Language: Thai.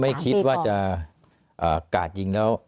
ไม่คิดว่าจะกาดยิงแล้ว